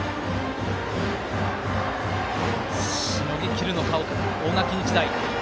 しのぎきるのか、大垣日大。